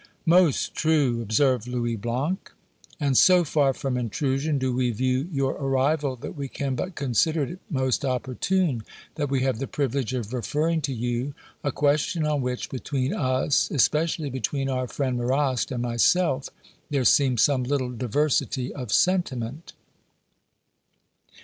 "Most true," observed Louis Blanc; "and so far from intrusion do we view your arrival that we can but consider it most opportune that we have the privilege of referring to you a question on which, between us, especially between our friend Marrast and myself, there seems some little diversity of sentiment."